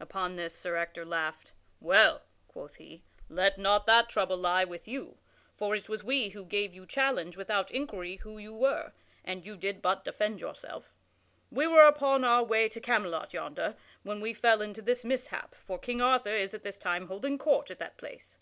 Upon this Sir Ector laughed. "Well," quoth he, "let not that trouble lie with you, for it was we who gave you challenge without inquiry who you were, and you did but defend yourself. We were upon our way to Camelot yonder, when we fell into this mishap, for King Arthur is at this time holding court at that place.